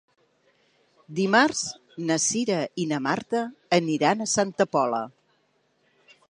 Dimarts na Cira i na Marta aniran a Santa Pola.